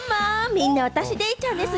みんな私、デイちゃんです。